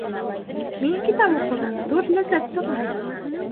Мин китап уҡыуҙан ҙур ләззәт табам